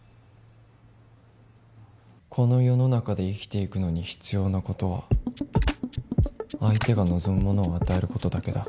この世の中で生きていくのに必要なことは相手が望むものを与えることだけだ